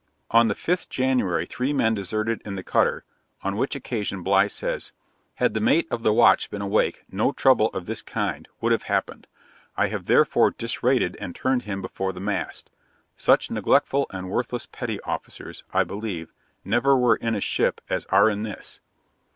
On the 5th January three men deserted in the cutter, on which occasion Bligh says, 'Had the mate of the watch been awake, no trouble of this kind would have happened. I have therefore disrated and turned him before the mast; such neglectful and worthless petty officers, I believe, never were in a ship as are in this.